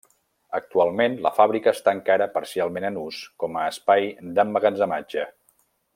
Actualment la fàbrica està encara parcialment en ús com a espai d'emmagatzematge.